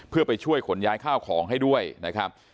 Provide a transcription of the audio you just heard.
เพื่อไปช่วยขนย้ายข้าวของให้ด้วยนะครับ